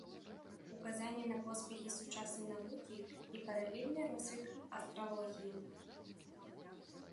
Указанне на поспехі сучаснай навукі і паралельны росквіт астралогіі.